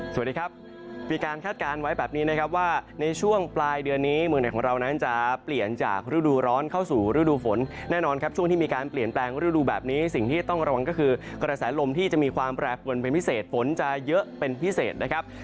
สวัสดีครับมีการคาดการณ์ไว้แบบนี้นะครับว่าในช่วงปลายเดือนนี้เมืองไหนของเรานั้นจะเปลี่ยนจากฤดูร้อนเข้าสู่ฤดูฝนแน่นอนครับช่วงที่มีการเปลี่ยนแปลงฤดูแบบนี้สิ่งที่ต้องระวังก็คือกระแสลมที่จะมีความแปรปวนเป็นพิเศษฝนจะเยอะเป็นพิเศษนะครับ